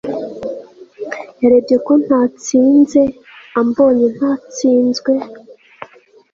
yarebye ko natsinze, ambonye natsinzwe